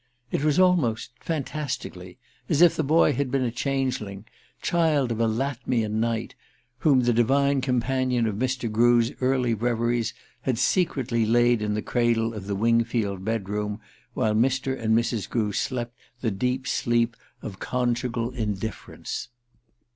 It was almost fantastically as if the boy had been a changeling, child of a Latmian night, whom the divine companion of Mr. Grew's early reveries had secretly laid in the cradle of the Wingfield bedroom while Mr. And Mrs. Grew slept the deep sleep of conjugal indifference.